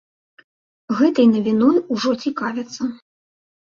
Гэтай навіной ужо цікавяцца.